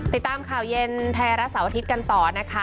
ติดตามข่าวเย็นไทยรัฐเสาร์อาทิตย์กันต่อนะคะ